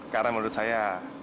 karena menurut saya